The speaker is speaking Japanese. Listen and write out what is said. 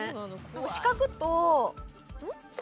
四角とん？